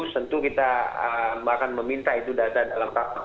tentu kita bahkan meminta itu data dalam pengawasan